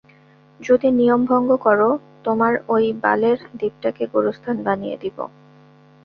যদি নিয়ম ভঙ্গ করো, তোমার ঐ বালের দ্বীপটাকে গোরস্থান বানিয়ে দেব।